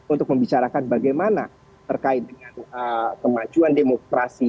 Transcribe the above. untuk membicarakan bagaimana terkait dengan kemajuan demokrasi